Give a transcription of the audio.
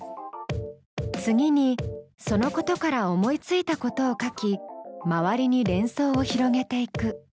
次にそのことから思いついたことを書き周りに連想を広げていく。